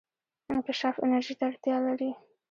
انکشاف انرژي ته اړتیا لري.